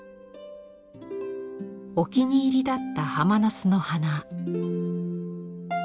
お気に入りだったハマナスの花。